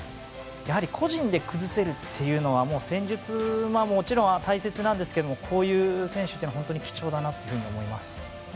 やはり個人で崩せるというのは戦術ももちろん大切なんですけどこういう選手というのは本当に貴重だなと思います。